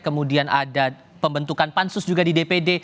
kemudian ada pembentukan pansus juga di dpd